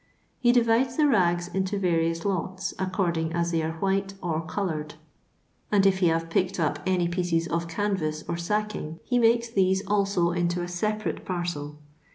He divides the rags into various lots, according as they are white or coloured ; and if he have picked up any pieces of canvas or sacking, he makes these alio into a separate parcel.